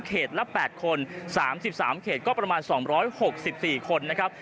ละ๘คน๓๓เขตก็ประมาณ๒๖๔คนนะครับ